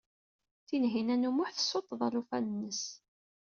Tinhinan u Muḥ tessuṭṭeḍ alufan-nnes.